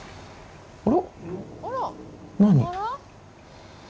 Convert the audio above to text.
あら？何？